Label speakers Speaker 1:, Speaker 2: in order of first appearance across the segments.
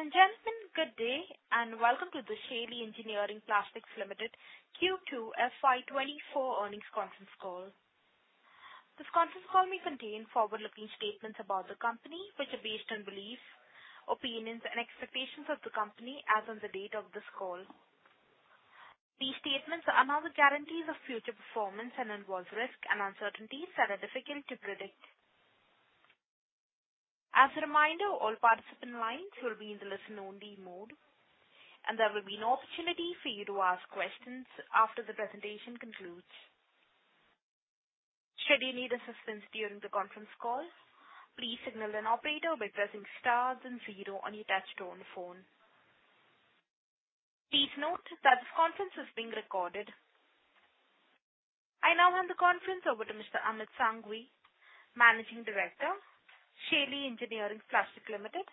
Speaker 1: Ladies and gentlemen, good day and welcome to the Shaily Engineering Plastics Limited Q2 FY 2024 earnings conference call. This conference call may contain forward-looking statements about the company, which are based on beliefs, opinions and expectations of the company as on the date of this call. These statements are not guarantees of future performance and involve risks and uncertainties that are difficult to predict. As a reminder, all participant lines will be in the listen only mode, and there will be an opportunity for you to ask questions after the presentation concludes. Should you need assistance during the conference call, please signal an operator by pressing star then zero on your touch-tone phone. Please note that this conference is being recorded. I now hand the conference over to Mr. Amit Sanghvi, Managing Director, Shaily Engineering Plastics Limited.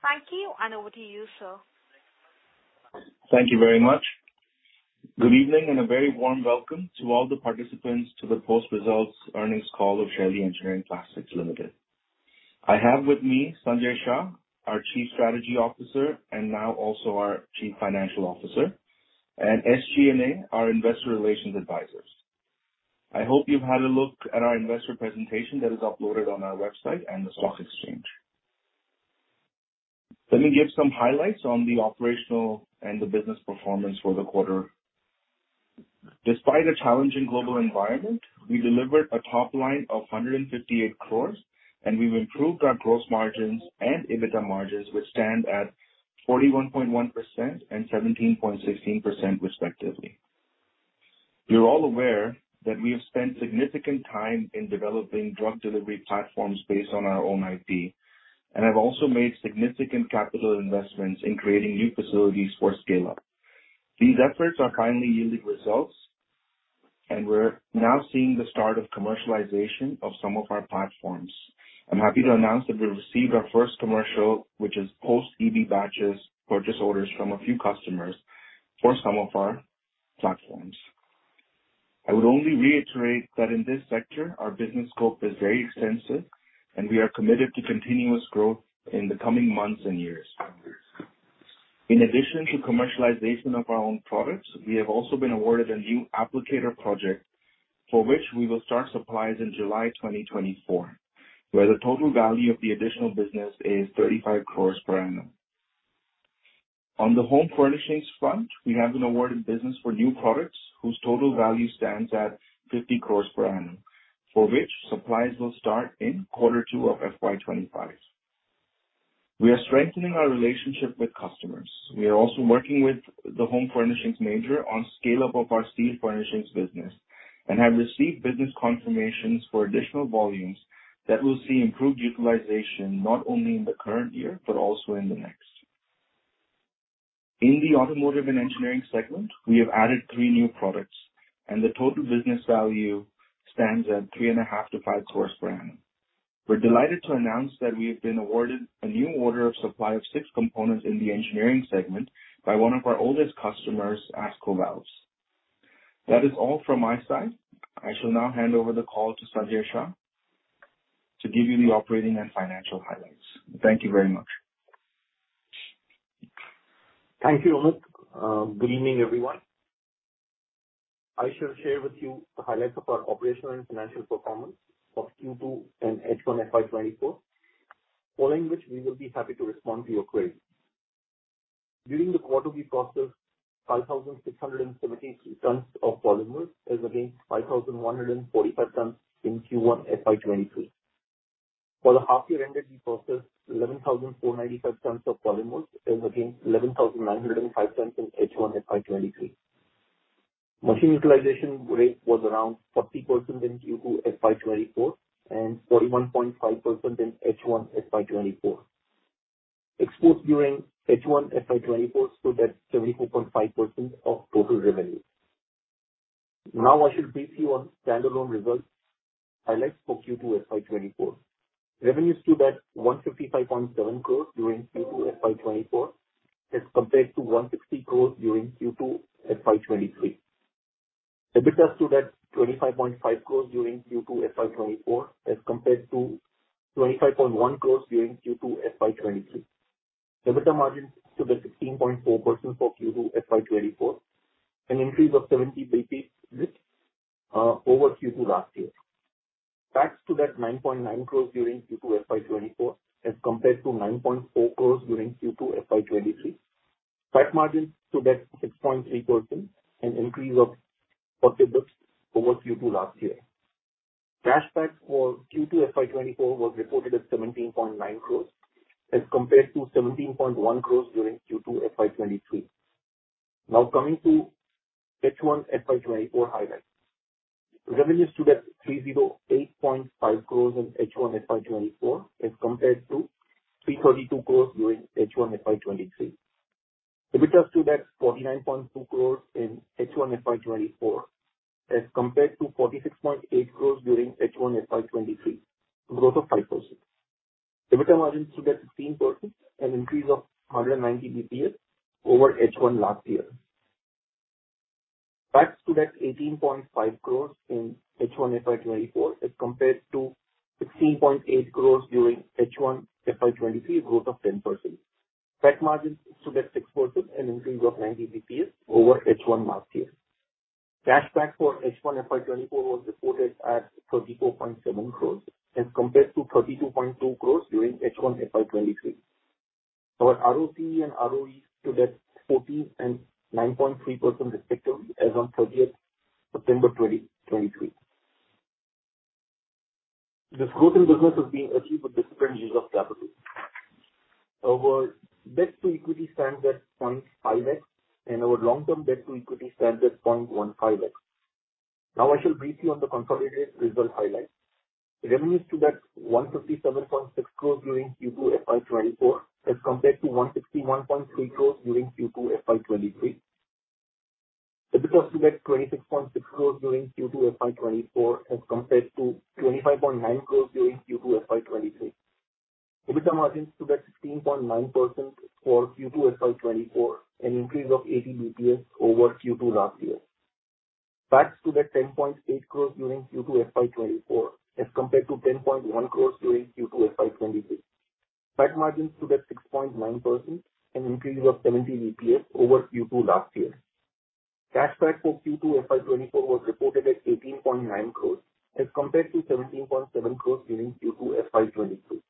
Speaker 1: Thank you and over to you, sir.
Speaker 2: Thank you very much. Good evening and a very warm welcome to all the participants to the post-results earnings call of Shaily Engineering Plastics Limited. I have with me Sanjay Shah, our Chief Strategy Officer, and now also our Chief Financial Officer, and SGA, our investor relations advisors. I hope you've had a look at our investor presentation that is uploaded on our website and the stock exchange. Let me give some highlights on the operational and the business performance for the quarter. Despite a challenging global environment, we delivered a top line of 158 crore, and we've improved our gross margins and EBITDA margins, which stand at 41.1% and 17.16% respectively. You're all aware that we have spent significant time in developing drug delivery platforms based on our own IP, and have also made significant capital investments in creating new facilities for scale-up. These efforts are finally yielding results, and we're now seeing the start of commercialization of some of our platforms. I'm happy to announce that we've received our first commercial, which is post-DV batches purchase orders from a few customers for some of our platforms. I would only reiterate that in this sector, our business scope is very extensive, and we are committed to continuous growth in the coming months and years. In addition to commercialization of our own products, we have also been awarded a new applicator project, for which we will start supplies in July 2024, where the total value of the additional business is 35 crore per annum. On the home furnishings front, we have been awarded business for new products whose total value stands at 50 crore per annum, for which supplies will start in Q2 of FY 2025. We are strengthening our relationship with customers. We are also working with the home furnishings major on scale-up of our steel furnishings business and have received business confirmations for additional volumes that will see improved utilization not only in the current year, but also in the next. In the automotive and engineering segment, we have added three new products, and the total business value stands at 3.5 crore-5 crore per annum. We're delighted to announce that we have been awarded a new order of supply of six components in the engineering segment by one of our oldest customers, ASCO. That is all from my side. I shall now hand over the call to Sanjay Shah to give you the operating and financial highlights. Thank you very much.
Speaker 3: Thank you, Amit. Good evening, everyone. I shall share with you the highlights of our operational and financial performance for Q2 and H1 FY 2024, following which we will be happy to respond to your queries. During the quarter, we processed 5,673 tons of polymers as against 5,145 tons in Q1 FY 2023. For the half year ended, we processed 11,495 tons of polymers as against 11,905 tons in H1 FY 2023. Machine utilization rate was around 40% in Q2 FY 2024 and 41.5% in H1 FY 2024. Exports during H1 FY 2024 stood at 74.5% of total revenue. I shall brief you on standalone results highlights for Q2 FY 2024. Revenues stood at 155.7 crores during Q2 FY 2024 as compared to 160 crores during Q2 FY 2023. EBITDA stood at 25.5 crores during Q2 FY 2024 as compared to 25.1 crores during Q2 FY 2023. EBITDA margin stood at 16.4% for Q2 FY 2024, an increase of 70 BPS over Q2 last year. Tax stood at 9.9 crores during Q2 FY 2024 as compared to 9.4 crores during Q2 FY 2023. Tax margin stood at 6.3%, an increase of 50 BPS over Q2 last year. Cash tax for Q2 FY 2024 was reported as 17.9 crores as compared to 17.1 crores during Q2 FY 2023. Coming to H1 FY 2024 highlights. Revenues stood at INR 308.5 crores in H1 FY 2024 as compared to 332 crores during H1 FY 2023. EBITDA stood at 49.2 crores in H1 FY 2024 as compared to 46.8 crores during H1 FY 2023. A growth of 5%. EBITDA margin stood at 16%, an increase of 190 BPS over H1 last year. PAT stood at 18.5 crores in H1 FY 2024 as compared to 16.8 crores during H1 FY 2023, a growth of 10%. PAT margins stood at 6% and increase of 90 BPS over H1 last year. Cash PAT for H1 FY 2024 was reported at 34.7 crores as compared to 32.2 crores during H1 FY 2023. Our ROCE and ROE stood at 14% and 9.3% respectively as on 30th September 2023. This growth in business is being achieved with disciplined use of capital. Our debt to equity stands at 0.5x, and our long-term debt to equity stands at 0.15x. Now I shall brief you on the consolidated result highlights. Revenues stood at 157.6 crores during Q2 FY 2024 as compared to 161.3 crores during Q2 FY 2023. EBITDA stood at 26.6 crores during Q2 FY 2024 as compared to 25.9 crores during Q2 FY 2023. EBITDA margins stood at 16.9% for Q2 FY 2024, an increase of 80 basis points over Q2 last year. PAT stood at INR 10.8 crores during Q2 FY 2024 as compared to 10.1 crores during Q2 FY 2023. PAT margins stood at 6.9%, an increase of 70 basis points over Q2 last year. Cash PAT for Q2 FY 2024 was reported at 18.9 crores as compared to 17.7 crores during Q2 FY 2023.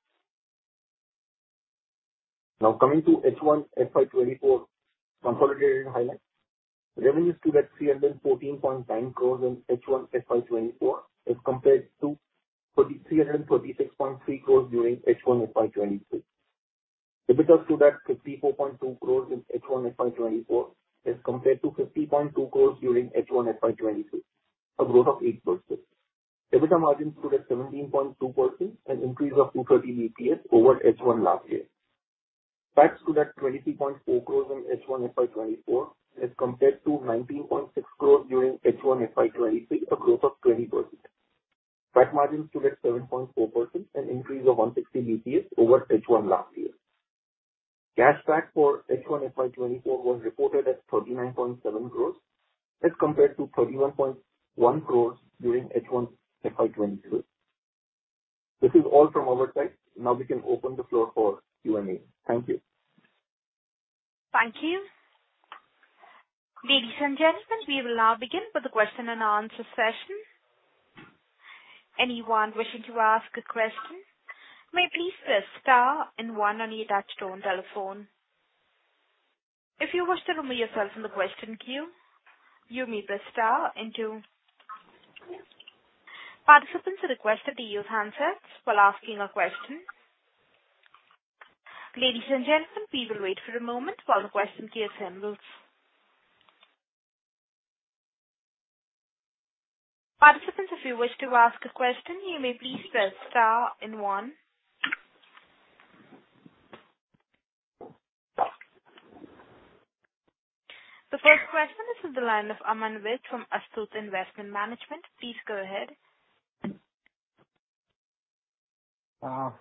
Speaker 3: Now coming to H1 FY 2024 consolidated highlights. Revenues stood at INR 314.9 crores in H1 FY 2024 as compared to 336.3 crores during H1 FY 2023. EBITDA stood at 54.2 crores in H1 FY 2024 as compared to 50.2 crores during H1 FY 2023, a growth of 8%. EBITDA margins stood at 17.2%, an increase of 230 basis points over H1 last year. PAT stood at 23.4 crores in H1 FY 2024 as compared to 19.6 crores during H1 FY 2023, a growth of 20%. PAT margins stood at 7.4%, an increase of 160 basis points over H1 last year. Cash PAT for H1 FY 2024 was reported at 39.7 crores as compared to 31.1 crores during H1 FY 2023. This is all from our side. Now we can open the floor for Q&A. Thank you.
Speaker 1: Thank you. Ladies and gentlemen, we will now begin with the question and answer session. Anyone wishing to ask a question may please press star and one on your touchtone telephone. If you wish to remove yourself from the question queue, you may press star and two. Participants are requested to use handsets while asking a question. Ladies and gentlemen, we will wait for a moment while the question queue assembles. Participants, if you wish to ask a question, you may please press star and one. The first question is from the line of Aman Ved from Astute Investment Management. Please go ahead.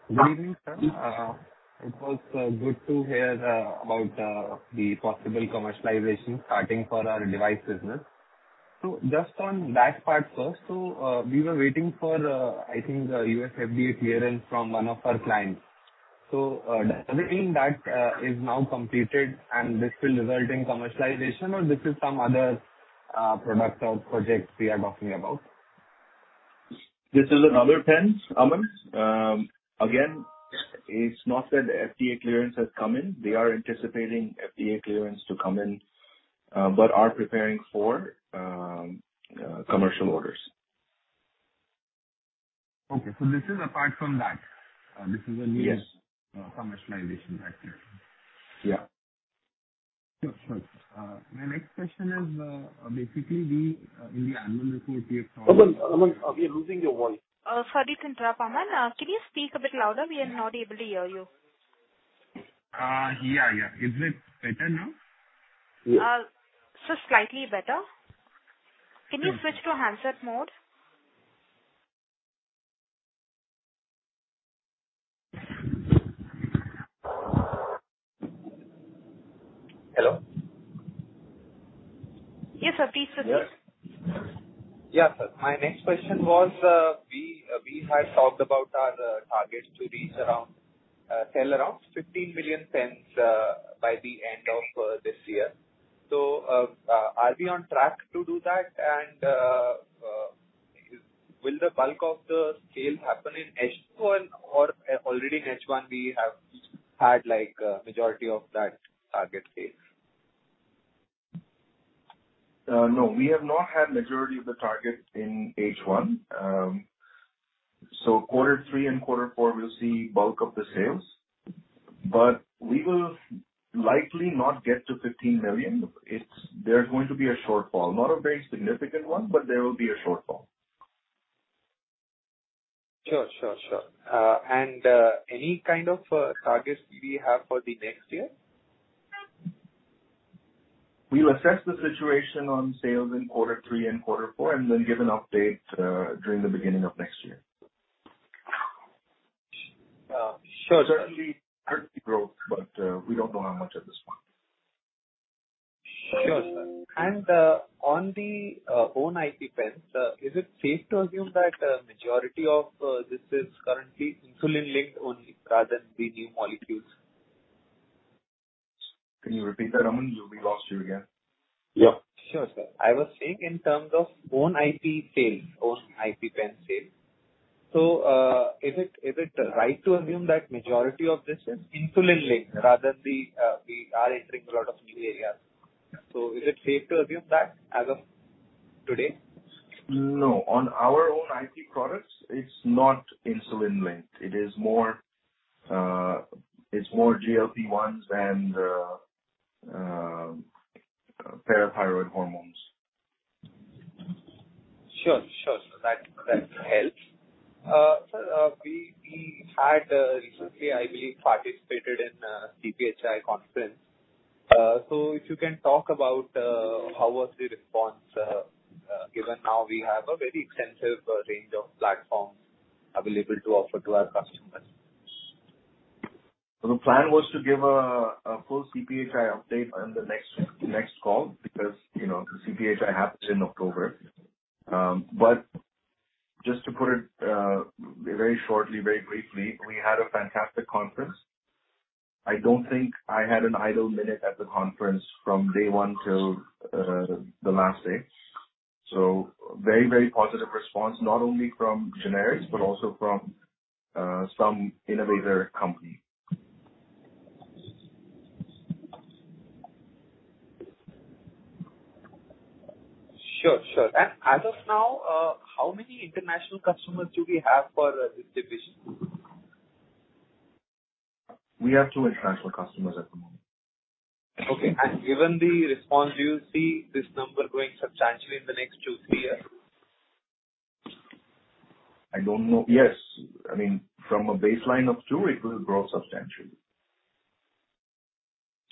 Speaker 4: Good evening, sir. It was good to hear about the possible commercialization starting for our device business. Just on that part first, we were waiting for, I think, the U.S. FDA clearance from one of our clients. So does everything that is now completed and this will result in commercialization, or this is some other products or projects we are talking about?
Speaker 3: It's not that FDA clearance has come in. They are anticipating FDA clearance to come in, but are preparing for commercial orders.
Speaker 4: This is apart from that. This is.
Speaker 3: Yes
Speaker 4: new commercialization right there.
Speaker 3: Yeah.
Speaker 4: Sure. My next question is, basically in the annual report we have talked-
Speaker 3: Aman, we are losing your voice.
Speaker 1: Sorry to interrupt, Aman. Can you speak a bit louder? We are not able to hear you.
Speaker 4: Yeah. Is it better now?
Speaker 3: Yes.
Speaker 1: Just slightly better. Can you switch to handset mode?
Speaker 4: Hello?
Speaker 1: Yes, sir. Please proceed.
Speaker 4: Yeah. My next question was, we had talked about our target to sell around 15 million stents by the end of this year. Are we on track to do that? Will the bulk of the sales happen in H2 or already in H1 we have had a majority of that target hit?
Speaker 3: No, we have not had majority of the target in H1. Quarter three and quarter four will see bulk of the sales, but we will likely not get to 15 million. There's going to be a shortfall. Not a very significant one, but there will be a shortfall.
Speaker 4: Sure. Any kind of targets we have for the next year?
Speaker 3: We'll assess the situation on sales in quarter three and quarter four, and then give an update during the beginning of next year.
Speaker 4: Sure.
Speaker 3: Certainly growth, but we don't know how much at this point.
Speaker 4: Sure, sir. On the own IP pens, is it safe to assume that majority of this is currently insulin-linked only rather than the new molecules?
Speaker 3: Can you repeat that, Aman? We lost you again.
Speaker 4: Yeah. Sure, sir. I was saying in terms of own IP sales, own IP pen sales. Is it right to assume that majority of this is insulin-linked rather than we are entering a lot of new areas. Is it safe to assume that as of today?
Speaker 2: No. On our own IP products, it's not insulin-linked. It's more GLP-1s than parathyroid hormones.
Speaker 4: Sure. That helps. Sir, we had recently, I believe, participated in CPhI conference. If you can talk about how was the response, given how we have a very extensive range of platforms available to offer to our customers.
Speaker 2: The plan was to give a full CPhI update on the next call because the CPhI happens in October. Just to put it very shortly, very briefly, we had a fantastic conference. I don't think I had an idle minute at the conference from day one till the last day. Very positive response, not only from generics, but also from some innovator companies.
Speaker 4: Sure. As of now, how many international customers do we have for distribution?
Speaker 2: We have two international customers at the moment.
Speaker 4: Okay. Given the response, do you see this number going substantially in the next two, three years?
Speaker 2: I don't know. Yes. From a baseline of two, it will grow substantially.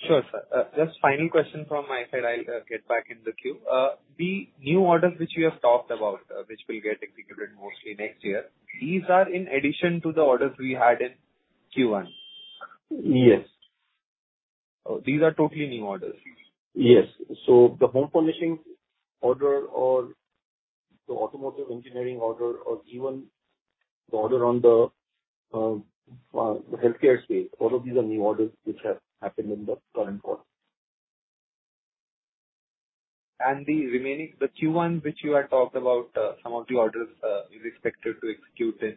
Speaker 4: Sure, sir. Just final question from my side. I'll get back in the queue. The new orders which you have talked about which will get executed mostly next year, these are in addition to the orders we had in Q1?
Speaker 3: Yes.
Speaker 4: These are totally new orders?
Speaker 2: Yes. The home furnishings order or the automotive engineering order or even the order on the healthcare space, all of these are new orders which have happened in the current quarter.
Speaker 4: The remaining, the Q1 which you had talked about, some of the orders is expected to execute in,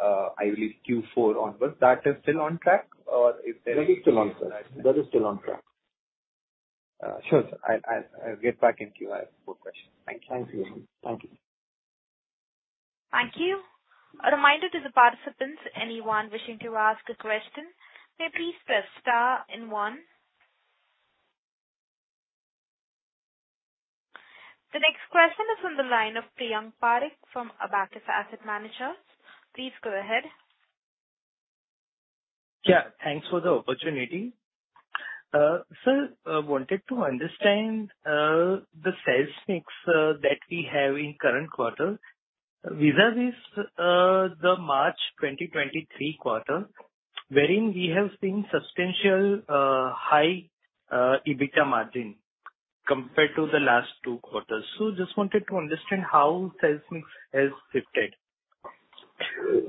Speaker 4: I believe Q4 onwards. That is still on track?
Speaker 2: That is still on track.
Speaker 4: Sure, sir. I'll get back in queue. I have more questions. Thank you.
Speaker 3: Thank you.
Speaker 1: Thank you. A reminder to the participants, anyone wishing to ask a question, may please press star and one. The next question is on the line of Priyank Parekh from Abakkus Asset Manager. Please go ahead.
Speaker 5: Yeah. Thanks for the opportunity. Sir, wanted to understand the sales mix that we have in current quarter vis-a-vis the March 2023 quarter, wherein we have seen substantial high EBITDA margin compared to the last two quarters. Just wanted to understand how sales mix has shifted.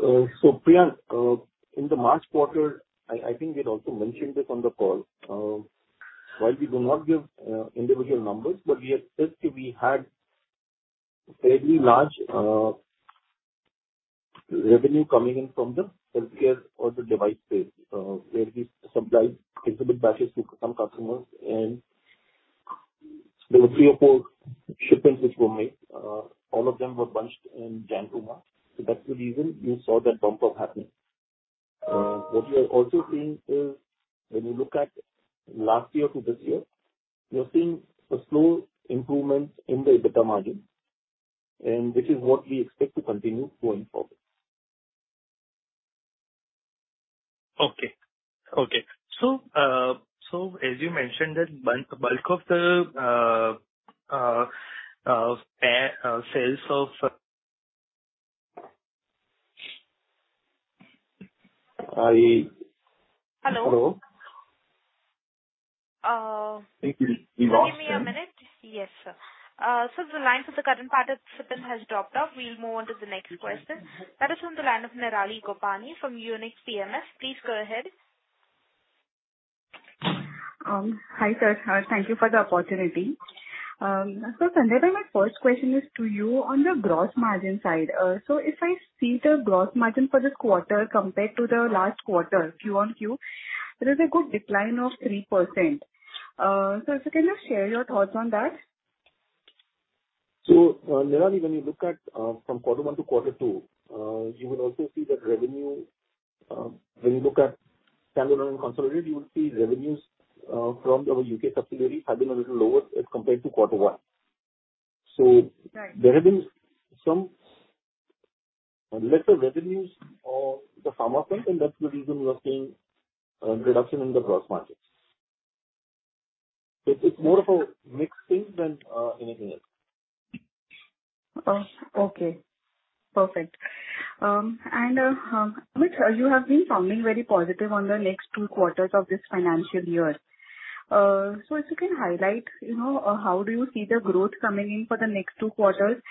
Speaker 3: Priyank, in the March quarter, I think we had also mentioned this on the call. While we do not give individual numbers, but we had said we had fairly large revenue coming in from the healthcare or the device space where we supplied insulin batches to some customers and there were three or four shipments which were made. All of them were bunched in January. That's the reason you saw that bump up happening. What we are also seeing is when you look at last year to this year, we are seeing a slow improvement in the EBITDA margin, which is what we expect to continue going forward.
Speaker 5: Okay. As you mentioned that bulk of the sales of
Speaker 3: I-
Speaker 1: Hello?
Speaker 5: Hello.
Speaker 1: Give me a minute. Yes, sir. Sir, the line for the current participant has dropped off. We'll move on to the next question. That is from the line of Nirali Gopani from Unique PMS. Please go ahead.
Speaker 6: Hi, sir. Thank you for the opportunity. Sandeep, my first question is to you on the gross margin side. If I see the gross margin for this quarter compared to the last quarter-on-quarter, there is a good decline of 3%. Sir, can you share your thoughts on that?
Speaker 3: Nirali, when you look at from quarter one to quarter two, you will also see that when you look at standalone and consolidated, you will see revenues from our U.K. subsidiary have been a little lower as compared to quarter one.
Speaker 6: Right.
Speaker 3: There have been some lesser revenues on the pharma front, that's the reason we are seeing a reduction in the gross margin.
Speaker 2: It's more of a mix thing than anything else.
Speaker 6: Okay, perfect. Amit, you have been sounding very positive on the next two quarters of this financial year. If you can highlight, how do you see the growth coming in for the next two quarters?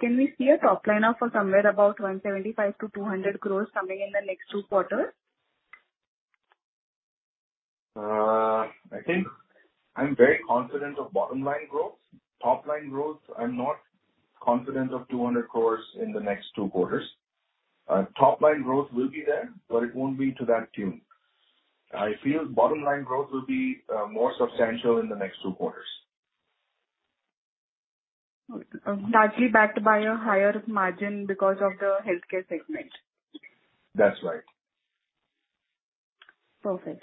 Speaker 6: Can we see a top line of somewhere about 175 crores-200 crores coming in the next two quarters?
Speaker 2: I think I'm very confident of bottom-line growth. Top-line growth, I'm not confident of 200 crores in the next two quarters. Top-line growth will be there, but it won't be to that tune. I feel bottom-line growth will be more substantial in the next two quarters.
Speaker 6: Largely backed by a higher margin because of the healthcare segment.
Speaker 2: That's right.
Speaker 6: Also,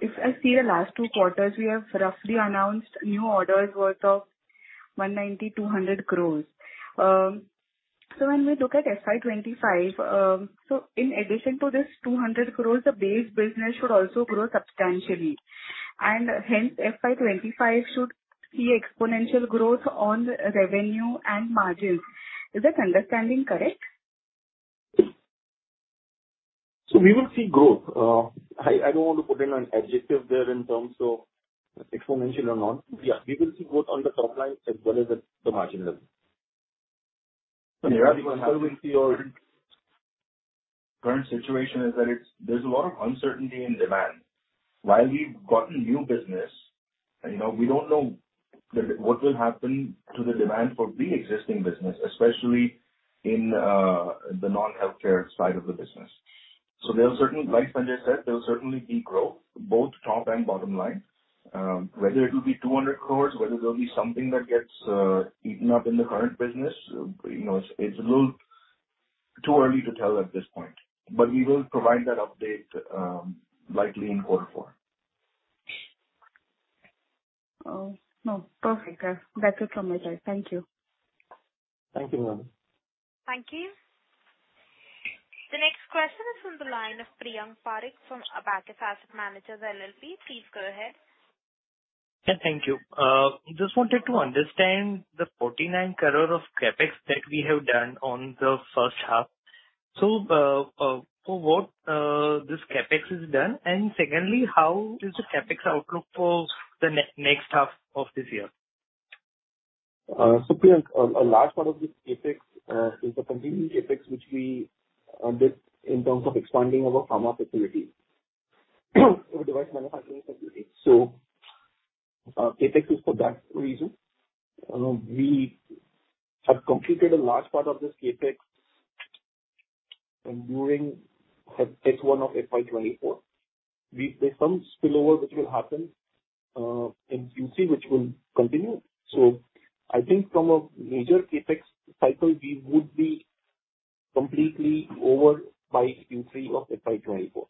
Speaker 6: if I see the last two quarters, we have roughly announced new orders worth of 190 crore-200 crore. When we look at FY 2025, in addition to this 200 crore, the base business should also grow substantially, and hence FY 2025 should see exponential growth on revenue and margins. Is this understanding correct?
Speaker 2: We will see growth. I don't want to put in an adjective there in terms of exponential or not. Yeah, we will see growth on the top line as well as at the margin level.
Speaker 3: How will we see your?
Speaker 2: Current situation is that there's a lot of uncertainty in demand. While we've gotten new business, we don't know what will happen to the demand for preexisting business, especially in the non-healthcare side of the business. Like Sanjay said, there'll certainly be growth, both top and bottom line. Whether it will be 200 crore, whether there'll be something that gets eaten up in the current business, it's a little too early to tell at this point. We will provide that update likely in quarter four.
Speaker 6: Oh, perfect. That's it from my side. Thank you.
Speaker 2: Thank you, Madhu.
Speaker 1: Thank you. The next question is from the line of Priyank Parekh from Abakkus Asset Manager LLP. Please go ahead.
Speaker 5: Yeah, thank you. Just wanted to understand the 49 crore of CapEx that we have done on the first half. For what this CapEx is done, and secondly, how is the CapEx outlook for the next half of this year?
Speaker 3: Priyank, a large part of this CapEx is the continuing CapEx which we did in terms of expanding our pharma facility or device manufacturing facility. CapEx is for that reason. We have completed a large part of this CapEx during H1 of FY 2024. There is some spill-over which will happen in Q3, which will continue. I think from a major CapEx cycle, we would be completely over by Q3 of FY 2024.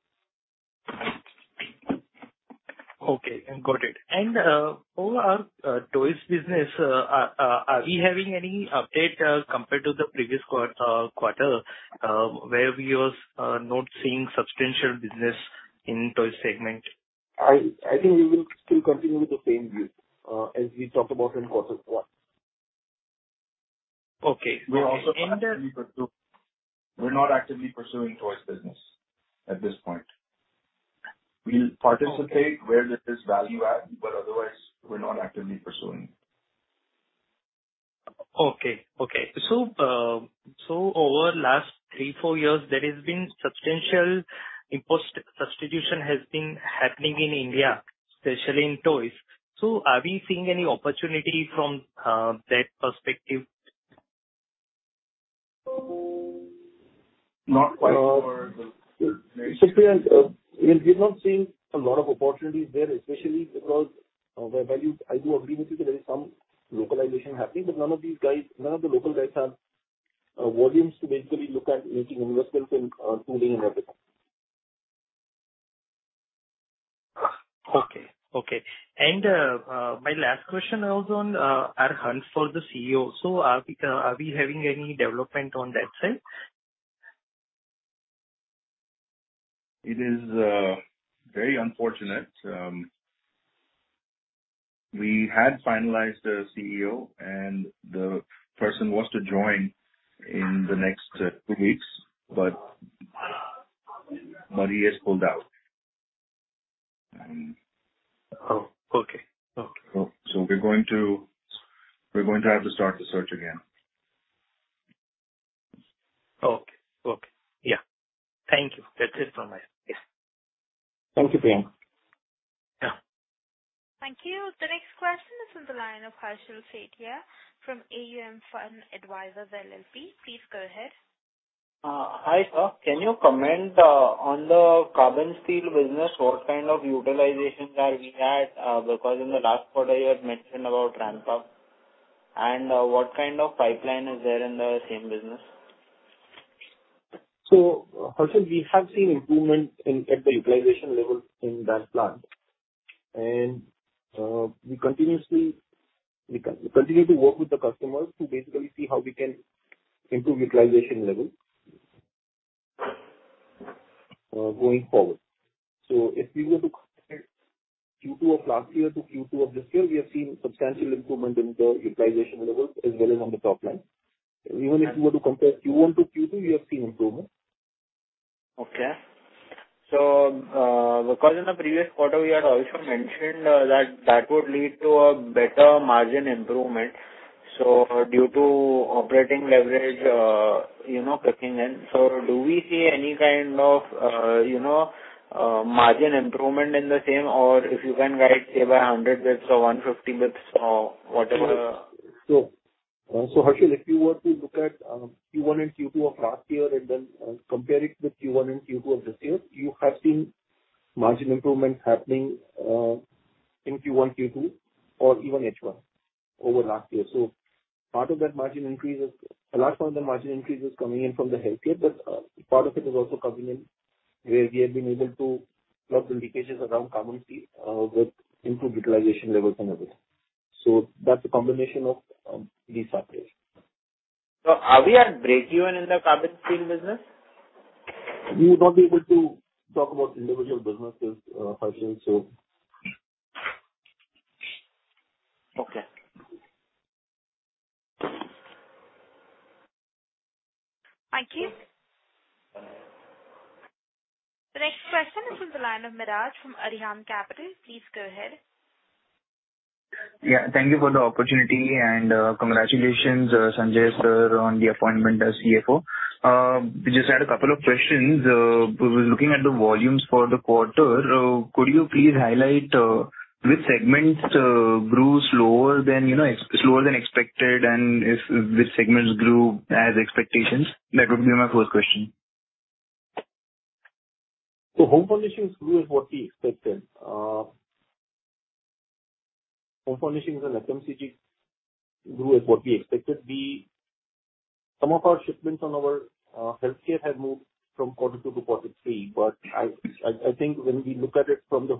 Speaker 5: Okay, got it. For our toys business, are we having any update compared to the previous quarter where we were not seeing substantial business in toy segment?
Speaker 2: I think we will still continue with the same view as we talked about in quarter one.
Speaker 5: Okay.
Speaker 2: We're not actively pursuing toys business at this point. We'll participate where there is value add, but otherwise we're not actively pursuing.
Speaker 5: Okay. Over the last three, four years, there has been substantial import substitution has been happening in India, especially in toys. Are we seeing any opportunity from that perspective?
Speaker 2: Not quite for the
Speaker 3: Priyank, we've not seen a lot of opportunities there, especially because I do agree with you that there's some localization happening, but none of the local guys have volumes to basically look at making investments in tooling and everything.
Speaker 5: Okay. My last question also on our hunt for the CEO. Are we having any development on that side?
Speaker 2: It is very unfortunate. We had finalized a CEO and the person was to join in the next two weeks, but he has pulled out.
Speaker 5: Oh, okay.
Speaker 2: We're going to have to start the search again.
Speaker 5: Okay. Yeah. Thank you. That's it from my side.
Speaker 3: Thank you, Priyank.
Speaker 5: Yeah.
Speaker 1: Thank you. The next question is on the line of Harshal Sethia from AUM Fund Advisors LLP. Please go ahead.
Speaker 7: Hi, sir. Can you comment on the carbon steel business? What kind of utilizations are we at? In the last quarter you had mentioned about ramp-up. What kind of pipeline is there in the same business?
Speaker 3: Harshal, we have seen improvement at the utilization level in that plant. We continue to work with the customers to basically see how we can improve utilization level going forward. If we were to compare Q2 of last year to Q2 of this year, we have seen substantial improvement in the utilization levels as well as on the top line. Even if you were to compare Q1 to Q2, we have seen improvement.
Speaker 7: Okay. Because in the previous quarter, we had also mentioned that that would lead to a better margin improvement. Due to operating leverage kicking in. Do we see any kind of margin improvement in the same? Or if you can guide, say, by 100 basis points or 150 basis points or whatever.
Speaker 3: Sure. Harshal, if you were to look at Q1 and Q2 of last year and then compare it with Q1 and Q2 of this year, you have seen margin improvements happening in Q1, Q2 or even H1 over last year. A large part of that margin increase is coming in from the healthcare, but part of it is also coming in where we have been able to plug the leakages around carbon steel with improved utilization levels and everything. That's a combination of these factors.
Speaker 7: Are we at break-even in the carbon steel business?
Speaker 3: We will not be able to talk about individual businesses, Harshal.
Speaker 7: Okay.
Speaker 1: Thank you. The next question is on the line of Miraj from Arihant Capital. Please go ahead.
Speaker 8: Yeah. Thank you for the opportunity and congratulations, Sanjay, sir, on the appointment as CFO. Just had a couple of questions. Was looking at the volumes for the quarter. Could you please highlight which segments grew slower than expected, and which segments grew as expectations? That would be my first question.
Speaker 3: Home furnishings grew as what we expected. Home furnishings and FMCG grew as what we expected. Some of our shipments on our healthcare have moved from quarter two to quarter three. I think when we look at it from the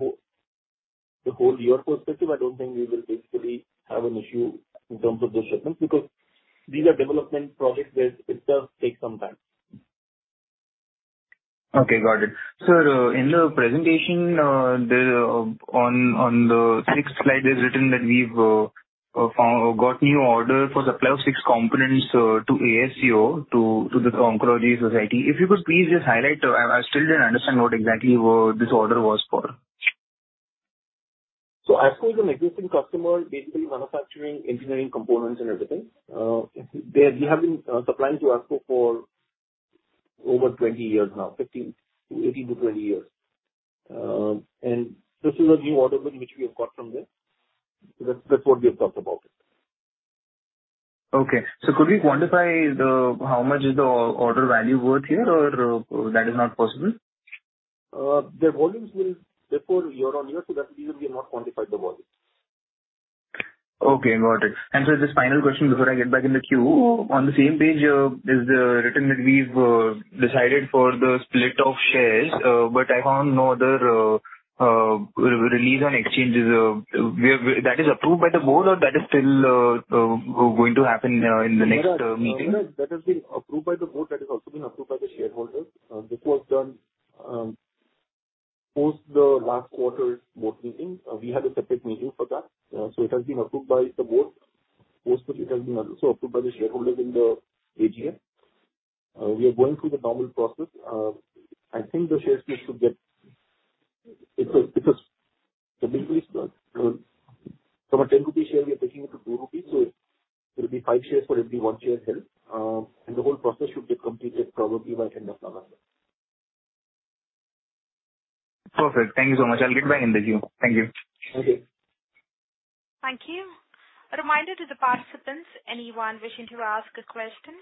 Speaker 3: whole year perspective, I don't think we will basically have an issue in terms of the shipments, because these are development projects where it does take some time.
Speaker 8: Okay, got it. Sir, in the presentation on the sixth slide, it is written that we have got new order for supply of six components to ASCO, to the oncology society. If you could please just highlight. I still did not understand what exactly this order was for.
Speaker 3: ASCO is an existing customer, basically manufacturing, engineering components and everything. We have been supplying to ASCO for over 20 years now, 18-20 years. This is a new order book which we have got from them. That is what we have talked about.
Speaker 8: Okay. Could we quantify how much is the order value worth here, or that is not possible?
Speaker 3: The volumes will differ year-on-year, that is the reason we have not quantified the volume.
Speaker 8: Sir, just final question before I get back in the queue. On the same page, it is written that we've decided for the split of shares, I found no other release on exchanges. That is approved by the board or that is still going to happen in the next meeting?
Speaker 3: Miraj, that has been approved by the board. That has also been approved by the shareholders. This was done post the last quarter board meeting. We had a separate meeting for that. It has been approved by the board. It has been also approved by the shareholders in the AGM. We are going through the normal process. From an 10 rupee share, we are taking it to 2 rupees. It will be five shares for every one share held. The whole process should get completed probably by end of November.
Speaker 8: Perfect. Thank you so much. I'll get back in the queue. Thank you.
Speaker 3: Thank you.
Speaker 1: Thank you. A reminder to the participants, anyone wishing to ask a question,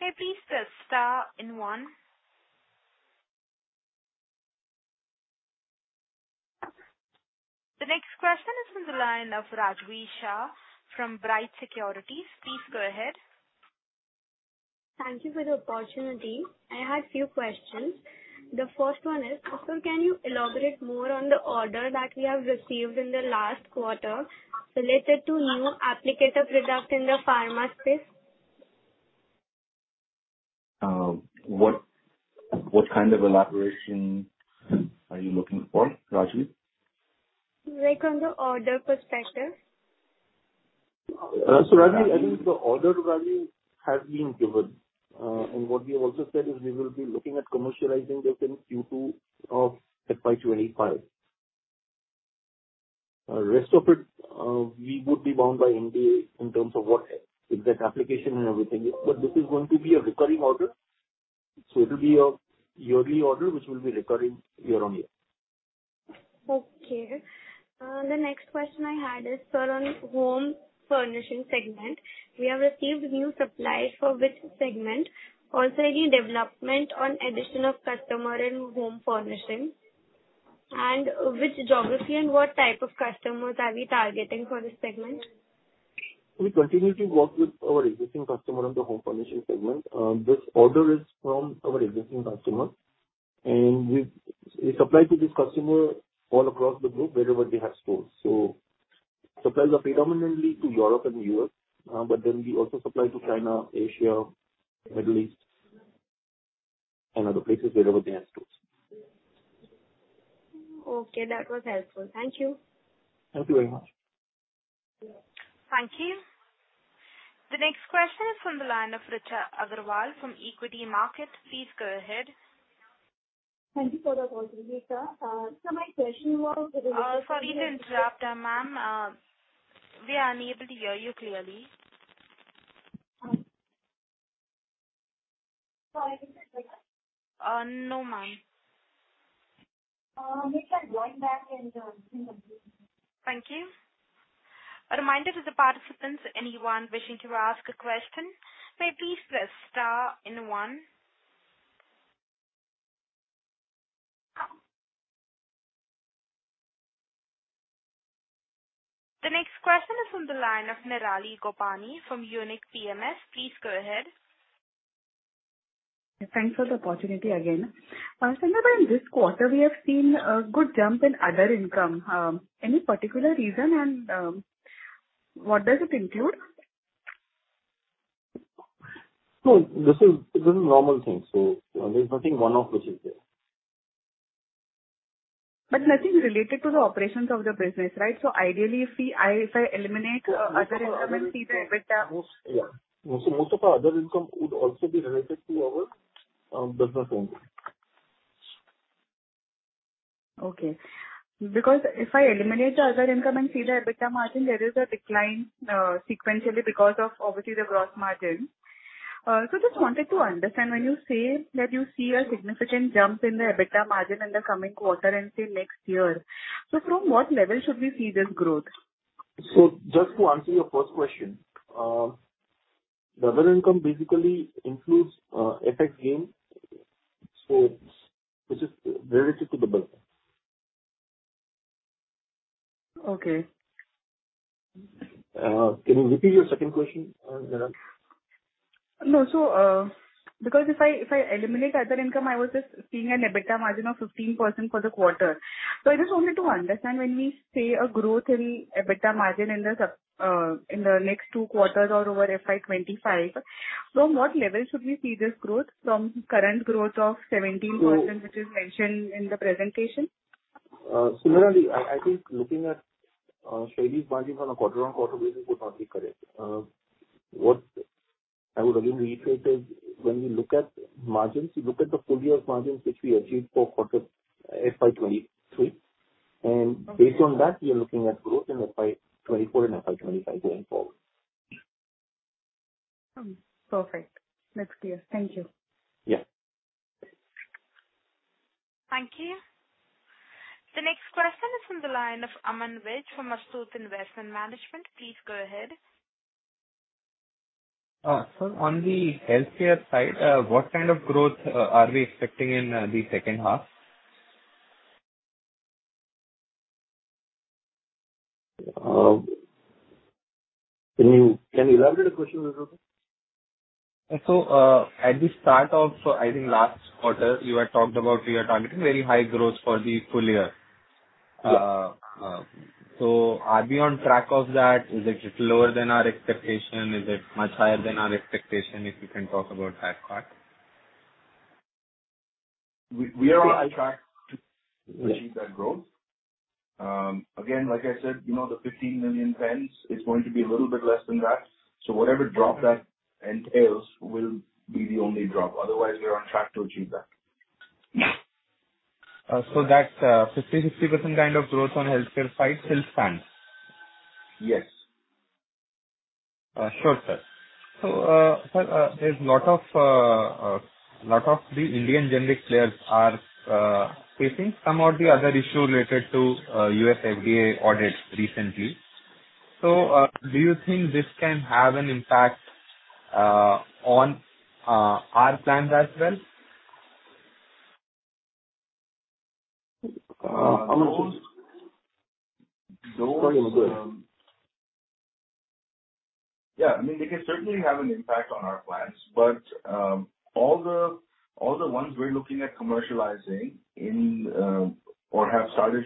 Speaker 1: may please press star and one. The next question is from the line of Rajvi Shah from Bright Securities. Please go ahead.
Speaker 9: Thank you for the opportunity. I had few questions. The first one is, sir, can you elaborate more on the order that you have received in the last quarter related to new applicator product in the pharma space?
Speaker 3: What kind of elaboration are you looking for, Rajvi?
Speaker 9: Like on the order perspective.
Speaker 3: Rajvi, I think the order value has been given. What we have also said is we will be looking at commercializing this in Q2 of FY 2025. Rest of it, we would be bound by NDA in terms of what exact application and everything is. This is going to be a recurring order. It will be a yearly order which will be recurring year-on-year.
Speaker 9: Okay. The next question I had is, sir, on home furnishing segment. We have received new supply for which segment? Also, any development on addition of customer in home furnishing? Which geography and what type of customers are we targeting for this segment?
Speaker 3: We continuously work with our existing customer on the home furnishing segment. This order is from our existing customer. We supply to this customer all across the group wherever they have stores. Supplies are predominantly to Europe and U.S., we also supply to China, Asia, Middle East, and other places wherever they have stores.
Speaker 9: Okay, that was helpful. Thank you.
Speaker 3: Thank you very much.
Speaker 1: Thank you. The next question is from the line of Richa Agarwal from Equitymaster. Please go ahead.
Speaker 10: Thank you for the call, Reeta. My question was.
Speaker 1: Sorry to interrupt, ma'am. We are unable to hear you clearly.
Speaker 10: Sorry
Speaker 1: No, ma'am.
Speaker 10: We can join back in
Speaker 1: Thank you. A reminder to the participants, anyone wishing to ask a question may please press star and one. The next question is from the line of Nirali Gopani from Unique PMS. Please go ahead.
Speaker 6: Thanks for the opportunity again. Sir, in this quarter, we have seen a good jump in other income. Any particular reason, and what does it include?
Speaker 3: No, this is a normal thing, so there's nothing one-off, which is there.
Speaker 6: Nothing related to the operations of the business, right? Ideally, if I eliminate other income and see the EBITDA.
Speaker 3: Yeah. Most of our other income would also be related to our business only.
Speaker 6: Okay. If I eliminate the other income and see the EBITDA margin, there is a decline sequentially because of, obviously, the gross margin. Just wanted to understand when you say that you see a significant jump in the EBITDA margin in the coming quarter and say next year, so from what level should we see this growth?
Speaker 3: Just to answer your first question. The other income basically includes FX gain, this is related to the business.
Speaker 6: Okay.
Speaker 3: Can you repeat your second question, Nirali?
Speaker 6: If I eliminate other income, I was just seeing an EBITDA margin of 15% for the quarter. I just wanted to understand when we say a growth in EBITDA margin in the next two quarters or over FY 2025, from what level should we see this growth, from current growth of 17%, which is mentioned in the presentation?
Speaker 3: Similarly, I think looking at Shaily's margin on a quarter-on-quarter basis would not be correct. What I would again reiterate is when we look at margins, we look at the full year's margins, which we achieved for FY 2023. Based on that, we are looking at growth in FY 2024 and FY 2025 going forward.
Speaker 6: Perfect. Next year. Thank you.
Speaker 3: Yeah.
Speaker 1: Thank you. The next question is from the line of Aman Vij from Astute Investment Management. Please go ahead.
Speaker 11: Sir, on the healthcare side, what kind of growth are we expecting in the second half?
Speaker 3: Can you elaborate the question a little bit?
Speaker 11: At the start of, I think, last quarter, you had talked about you are targeting very high growth for the full year.
Speaker 3: Yeah.
Speaker 11: Are we on track of that? Is it lower than our expectation? Is it much higher than our expectation, if you can talk about that part.
Speaker 3: We are on track to achieve that growth. Again, like I said, the 15 million pens, it's going to be a little bit less than that. Whatever drop that entails will be the only drop. Otherwise, we are on track to achieve that.
Speaker 11: That 50%-60% kind of growth on healthcare side still stands.
Speaker 3: Yes.
Speaker 11: Sure, sir. Sir, a lot of the Indian generic players are facing some of the other issue related to U.S. FDA audits recently. Do you think this can have an impact on our plans as well?
Speaker 2: Aman.
Speaker 11: Sorry, Amit.
Speaker 3: Yeah. I mean, they can certainly have an impact on our plans. All the ones we're looking at commercializing or have started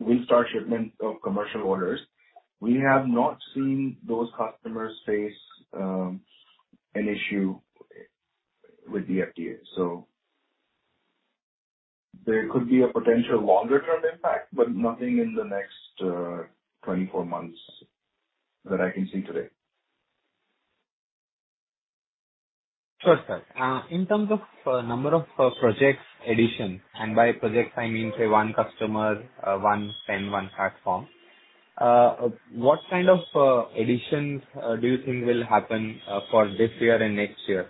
Speaker 3: restart shipment of commercial orders, we have not seen those customers face an issue with the FDA. There could be a potential longer-term impact, but nothing in the next 24 months that I can see today.
Speaker 11: Sure, sir. In terms of number of projects addition, and by projects I mean, say, one customer, one pen, one platform. What kind of additions do you think will happen for this year and next year?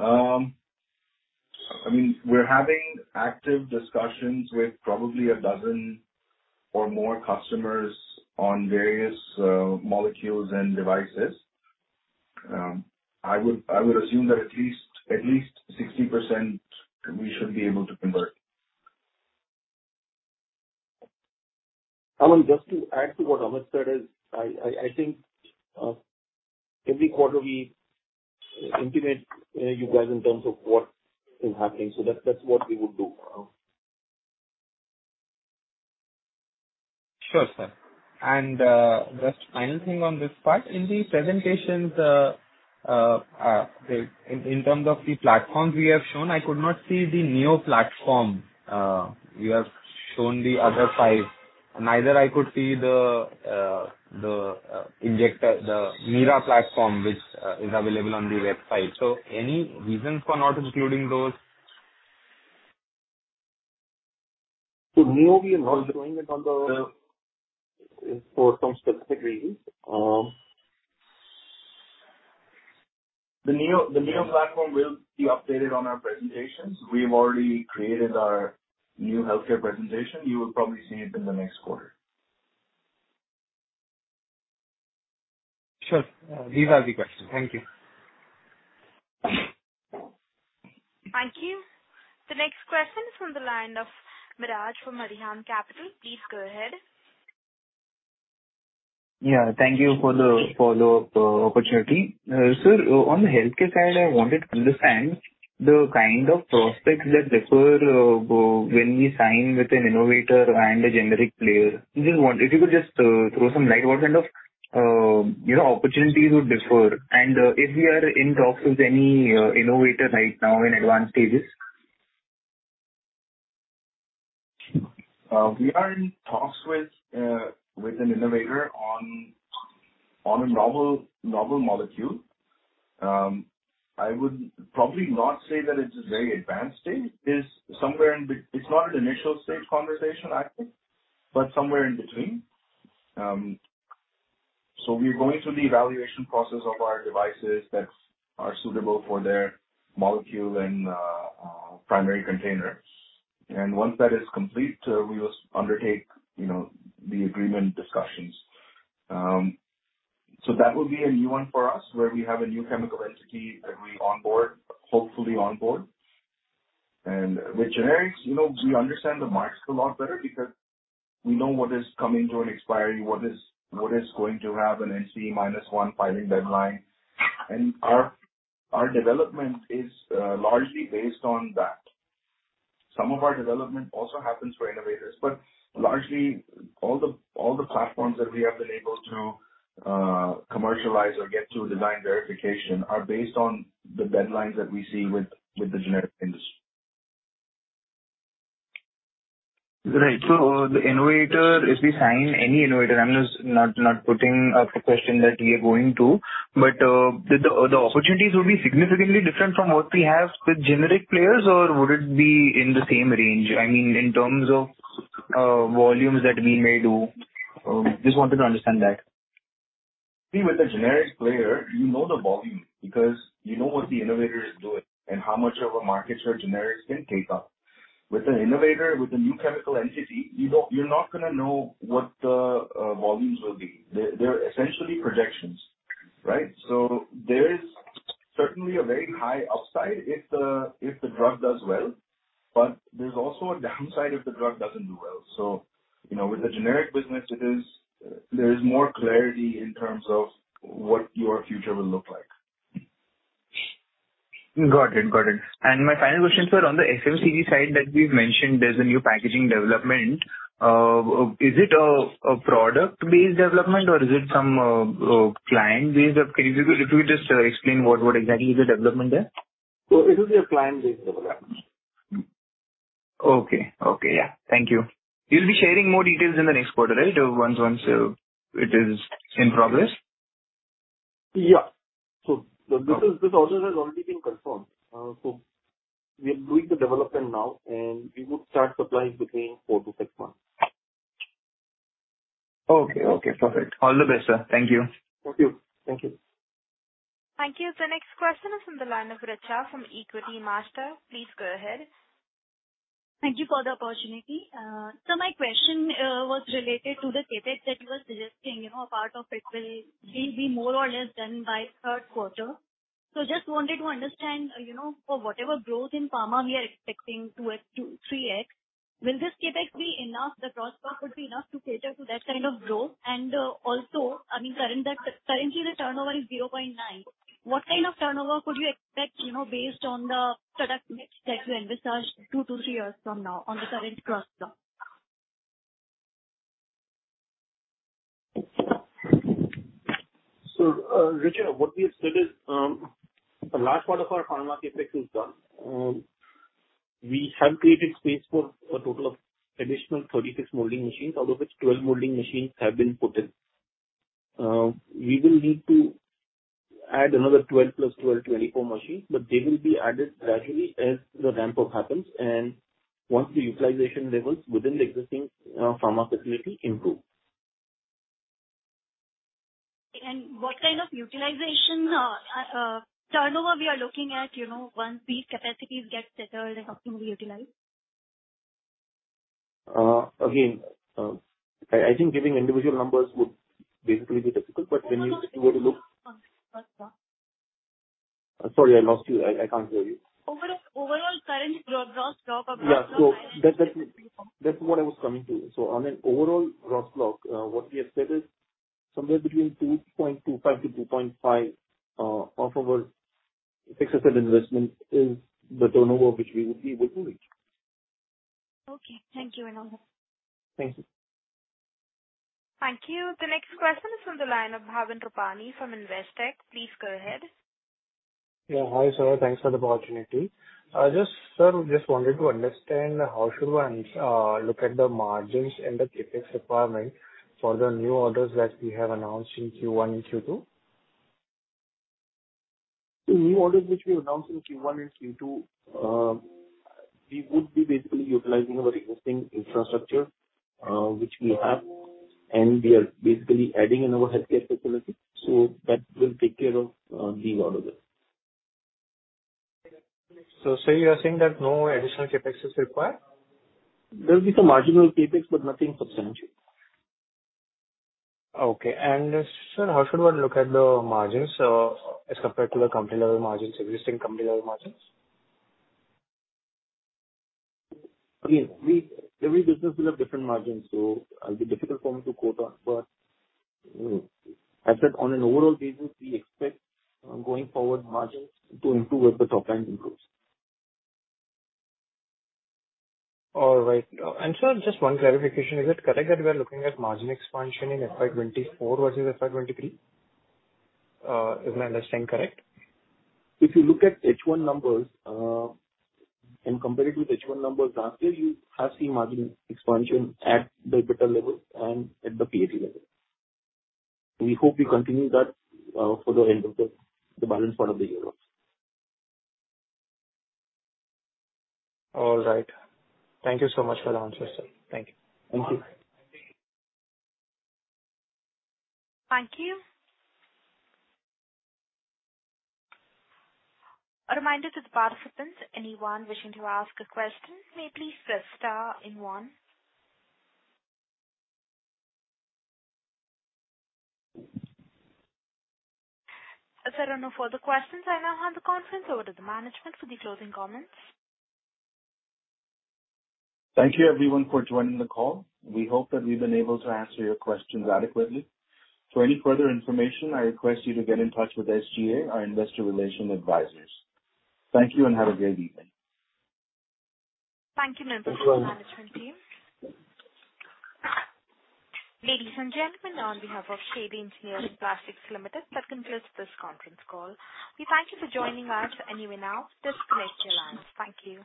Speaker 3: I mean, we're having active discussions with probably a dozen or more customers on various molecules and devices. I would assume that at least 60% we should be able to convert.
Speaker 2: Aman, just to add to what Amit said is, I think every quarter we intimate you guys in terms of what is happening. That's what we would do.
Speaker 3: Just final thing on this part, in the presentations, in terms of the platforms we have shown, I could not see the Neo platform. You have shown the other five. Neither I could see the Mira platform, which is available on the website. Any reasons for not including those?
Speaker 2: NEO, we are not showing it for some specific reasons. The NEO platform will be updated on our presentations. We have already created our new healthcare presentation. You will probably see it in the next quarter.
Speaker 11: Sure. These are the questions. Thank you.
Speaker 1: Thank you. The next question is from the line of Miraj from Arihant Capital. Please go ahead.
Speaker 8: Thank you for the follow-up opportunity. Sir, on the healthcare side, I wanted to understand the kind of prospects that differ when we sign with an innovator and a generic player. If you could just throw some light what kind of opportunities would differ and if we are in talks with any innovator right now in advanced stages.
Speaker 2: We are in talks with an innovator on a novel molecule. I would probably not say that it's a very advanced stage. It's not an initial stage conversation, I think, but somewhere in between. We're going through the evaluation process of our devices that are suitable for their molecule and primary container. Once that is complete, we will undertake the agreement discussions. That will be a new one for us where we have a new chemical entity that we onboard, hopefully onboard. With generics, we understand the markets a lot better because we know what is coming to an expiry, what is going to have an N-1 filing deadline. Our development is largely based on that. Some of our development also happens for innovators, largely all the platforms that we have been able to commercialize or get to design verification are based on the deadlines that we see with the generic industry.
Speaker 8: Right. The innovator, if we sign any innovator, I'm just not putting up the question that we are going to, the opportunities will be significantly different from what we have with generic players, or would it be in the same range, I mean, in terms of volumes that we may do? Just wanted to understand that.
Speaker 2: See, with a generic player, you know the volume because you know what the innovator is doing and how much of a market share generics can take up. With an innovator, with a new chemical entity, you're not going to know what the volumes will be. They're essentially projections, right? There is certainly a very high upside if the drug does well, there's also a downside if the drug doesn't do well. With the generic business, there is more clarity in terms of what your future will look like.
Speaker 8: Got it. My final question, sir, on the FMCG side that we've mentioned there's a new packaging development. Is it a product-based development or is it some client-based development? If you could just explain what exactly is the development there?
Speaker 2: It is a client-based development.
Speaker 8: Okay. Yeah. Thank you. You'll be sharing more details in the next quarter, right? Once it is in progress.
Speaker 2: Yeah. This order has already been confirmed. We're doing the development now. We would start supplying between four to six months.
Speaker 8: Okay, perfect. All the best, sir. Thank you.
Speaker 2: Thank you.
Speaker 1: Thank you. The next question is from the line of Richa from Equitymaster. Please go ahead.
Speaker 10: Thank you for the opportunity. Sir, my question was related to the CapEx that you were suggesting, a part of it will be more or less done by third quarter. Just wanted to understand, for whatever growth in pharma we are expecting two X to three X, will this CapEx be enough, the gross block could be enough to cater to that kind of growth? Currently the turnover is 0.9. What kind of turnover could you expect based on the product mix that you envisage two to three years from now on the current gross block?
Speaker 2: Richa, what we have said is, a large part of our pharma CapEx is done. We have created space for a total of additional 36 molding machines, out of which 12 molding machines have been put in. We will need to add another 12 plus 12, 24 machines, but they will be added gradually as the ramp-up happens and once the utilization levels within the existing pharma facility improve.
Speaker 10: What kind of utilization turnover we are looking at once these capacities get settled and optimally utilized?
Speaker 2: Again, I think giving individual numbers would basically be difficult.
Speaker 10: No.
Speaker 3: Sorry, I lost you. I can't hear you.
Speaker 10: Overall, currently your gross block or-
Speaker 3: Yeah. That's what I was coming to. On an overall gross block, what we have said is somewhere between 2.25 to 2.5 of our fixed asset investment is the turnover which we would be able to reach.
Speaker 10: Okay. Thank you, Vinod.
Speaker 3: Thank you.
Speaker 1: Thank you. The next question is from the line of Bhavin Rupani from Investec. Please go ahead.
Speaker 12: Yeah. Hi, sir. Thanks for the opportunity. Sir, just wanted to understand how should one look at the margins and the CapEx requirement for the new orders that we have announced in Q1 and Q2?
Speaker 3: The new orders which we announced in Q1 and Q2, we would be basically utilizing our existing infrastructure, which we have, and we are basically adding in our healthcare facility. That will take care of the orders.
Speaker 12: You are saying that no additional CapEx is required?
Speaker 3: There'll be some marginal CapEx, but nothing substantial.
Speaker 12: Okay. Sir, how should one look at the margins as compared to the existing company level margins?
Speaker 3: Again, every business will have different margins, so it'll be difficult for me to quote on. As said, on an overall basis, we expect going forward margins to improve as the top line improves.
Speaker 12: All right. Sir, just one clarification. Is it correct that we're looking at margin expansion in FY 2024 versus FY 2023? Is my understanding correct?
Speaker 3: If you look at H1 numbers and compare it with H1 numbers last year, you have seen margin expansion at the EBITDA level and at the PAT level. We hope we continue that for the balance part of the year.
Speaker 12: All right. Thank you so much for the answers, sir. Thank you.
Speaker 3: Thank you.
Speaker 1: Thank you. A reminder to the participants, anyone wishing to ask a question may please press star and one. If there are no further questions, I now hand the conference over to management for the closing comments.
Speaker 3: Thank you everyone for joining the call. We hope that we've been able to answer your questions adequately. For any further information, I request you to get in touch with SGA, our investor relation advisors. Thank you, have a great evening.
Speaker 1: Thank you, members of the management team. Ladies and gentlemen, on behalf of Shaily Engineering Plastics Limited, that concludes this conference call. We thank you for joining us. You may now disconnect your lines. Thank you.